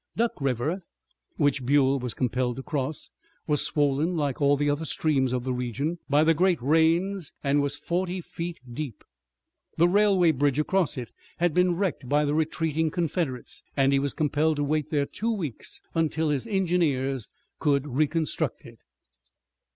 Duck River, which Buell was compelled to cross, was swollen like all the other streams of the region, by the great rains and was forty feet deep. The railway bridge across it had been wrecked by the retreating Confederates and he was compelled to wait there two weeks until his engineers could reconstruct it.